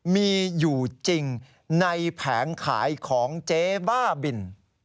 มีอยู่จริงในแผงขายของเจ๊บ้าบิน